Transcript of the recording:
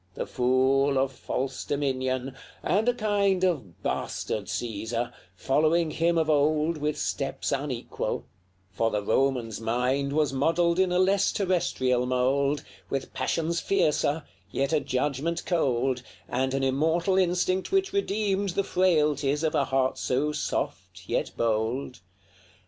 The fool of false dominion and a kind Of bastard Caesar, following him of old With steps unequal; for the Roman's mind Was modelled in a less terrestrial mould, With passions fiercer, yet a judgment cold, And an immortal instinct which redeemed The frailties of a heart so soft, yet bold.